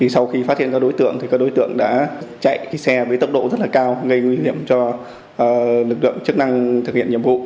sau khi phát hiện các đối tượng các đối tượng đã chạy xe với tốc độ rất cao gây nguy hiểm cho lực lượng chức năng thực hiện nhiệm vụ